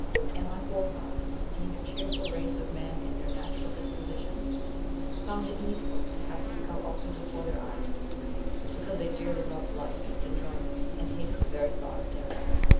And my forefathers, being a cheerful race of men in their natural disposition, found it needful to have the skull often before their eyes, because they dearly loved life and its enjoyments, and hated the very thought of death."